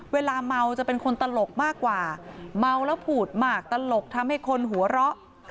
เวลาเมาจะเป็นคนตลกมากกว่าเมาแล้วผูดมากตลกทำให้คนหัวเราะ